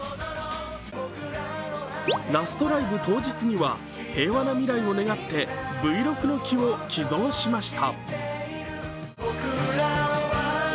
ラストライブ当日には平和な未来を願ってブイロクの木を寄贈しました。